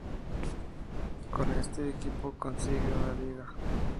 Con este equipo consigue una Liga.